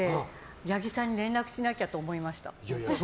八木さんに連絡しなきゃと思いました。